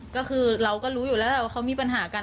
ก็คือเราก็รู้อยู่แล้วแหละว่าเขามีปัญหากัน